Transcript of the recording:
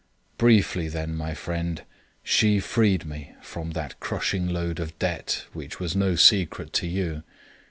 Briefly, then, my friend, she freed me from that crushing load of debt, which was no secret to you.